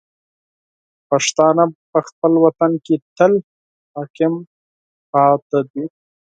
پښتانه په خپل وطن کې تل حاکم پاتې دي.